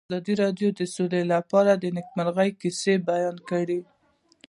ازادي راډیو د سوله په اړه د نېکمرغۍ کیسې بیان کړې.